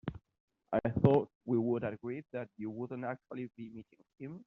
I thought we'd agreed that you wouldn't actually be meeting him?